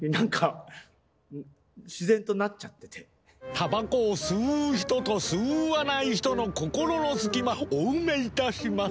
たばこを吸う人と吸わない人の心の隙間お埋めいたします。